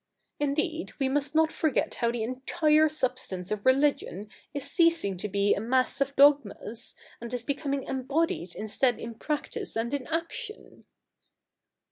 Indeed, we must not for get how the entire substance of religion is ceasing to be a mass of dogmas, and is becoming embodied instead in practice and in action.'